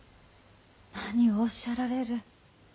何をおっしゃられる。